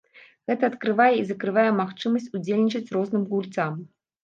Гэта адкрывае і закрывае магчымасць удзельнічаць розным гульцам.